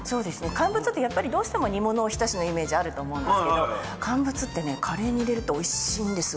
乾物ってやっぱりどうしても煮物お浸しのイメージあると思うんですけど乾物ってねカレーに入れるとおいしいんですわこれが。